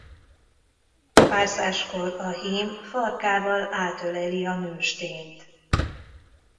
Párzáskor a hím farkával átöleli a nőstényt.